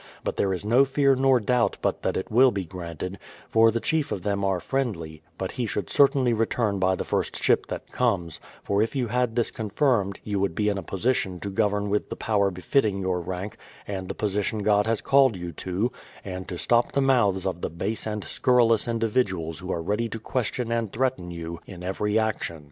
But there is no fear nor doubt but that it will be granted, — for the chief of them are friendly; but he should certainly return by the first ship that comes, for if you had this confirmed, you would be in a position to govern with the power befitting your rank and the position God has called you to, and to stop the mouths of the base and scurrilous individuals who are ready to question and threaten you in every action.